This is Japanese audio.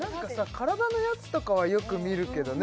体のやつとかはよく見るけどね